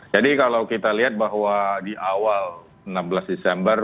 jadi kalau kita lihat bahwa di awal enam belas desember